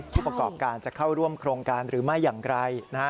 ผู้ประกอบการจะเข้าร่วมโครงการหรือไม่อย่างไรนะฮะ